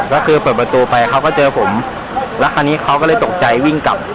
ก็คือเปิดประตูไปเขาก็เจอผมแล้วคราวนี้เขาก็เลยตกใจวิ่งกลับ